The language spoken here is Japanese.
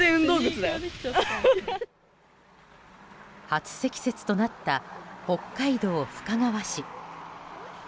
初積雪となった北海道深川市。